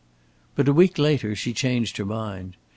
But a week later she changed her mind.